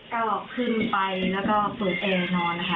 ก็ขึ้นไปแล้วก็เปิดไปนอนนะคะ